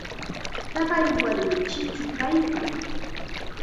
Taqay warmim chichu kaykan.